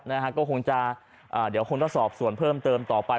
นะฮะก็คงจะอ่าเดี๋ยวคงต้องสอบส่วนเพิ่มเติมต่อไป